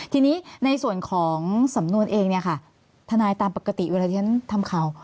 ทีนี้ในส่วนของสำนวนเองเนี่ยค่ะทนายตามปกติเวลาที่ฉันทำข่าว